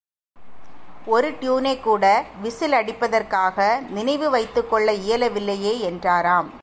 ஒரு ட்யூனைக் கூட விசில் அடிப்பதற்காக நினைவு வைத்துக் கொள்ள இயலவில்லையே என்றாராம்.